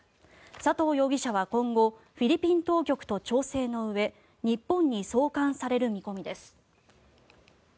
佐藤容疑者は、今後フィリピン当局と調整のうえ日本に送還される見込みです。